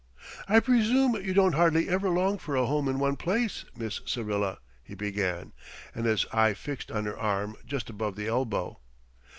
"I presume you don't hardly ever long for a home in one place, Miss Syrilla," he began, with his eye fixed on her arm just above the elbow.